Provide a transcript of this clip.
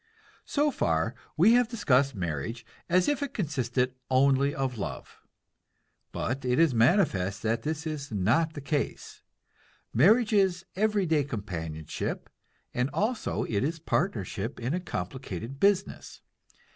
So far we have discussed marriage as if it consisted only of love. But it is manifest that this is not the case. Marriage is every day companionship, and also it is partnership in a complicated business.